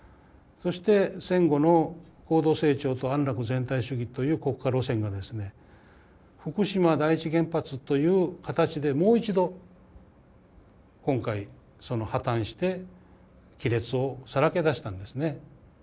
そして戦後の高度成長と安楽全体主義という国家路線がですね福島第一原発という形でもう一度今回破綻して亀裂をさらけ出したんですね。